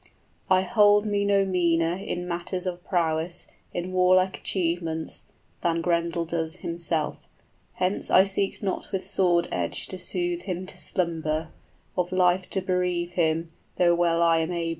} "I hold me no meaner in matters of prowess, In warlike achievements, than Grendel does himself; Hence I seek not with sword edge to sooth him to slumber, Of life to bereave him, though well I am able.